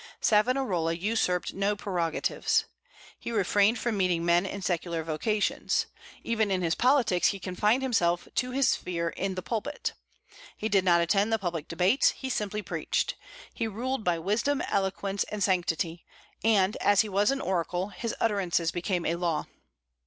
Savonarola usurped no prerogatives. He refrained from meeting men in secular vocations. Even in his politics he confined himself to his sphere in the pulpit. He did not attend the public debates; he simply preached. He ruled by wisdom, eloquence, and sanctity; and as he was an oracle, his utterances became a law.